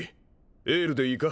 エールでいいか？